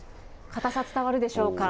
硬さ、伝わるでしょうか。